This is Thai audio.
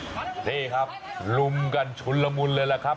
นี่ครับลุมกันชุนละมุนเลยแหละครับ